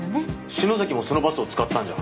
篠崎もそのバスを使ったんじゃ。